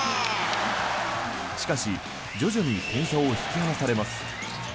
しかし徐々に点差を引き離されます。